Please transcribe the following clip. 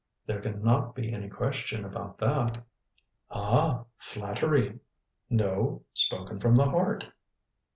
"There can not be any question about that." "Ah flattery " "No spoken from the heart."